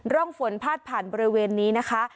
ร่องฝนพาดผ่านบริเวณนี้นะคะ